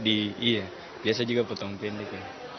iya biasa juga potong pendek ya